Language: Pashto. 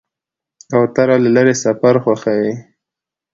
کوتره له لرې سفر خوښوي.